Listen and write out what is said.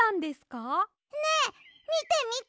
ねえみてみて！